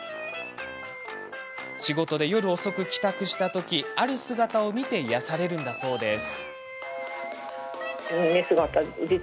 仕事で夜遅く帰宅したときある姿を見て癒やされるんだそうです。